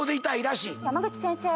山口先生。